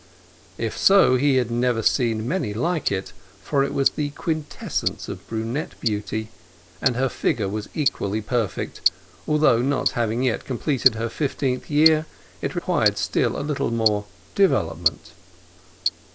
If so, he had never seen many like it, for it was the quintessence of brunette beauty, and her figure was equally perfect; although, not having yet completed her fifteenth year, it required still a little more development.